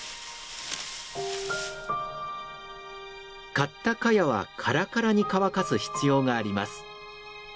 刈ったカヤはカラカラに乾かす必要があります。